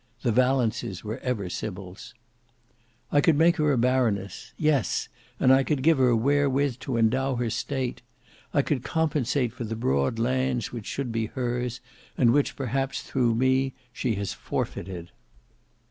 The Valences were ever Sybils. "I could make her a baroness. Yes! and I could give her wherewith to endow her state. I could compensate for the broad lands which should be hers, and which perhaps through me she has forfeited.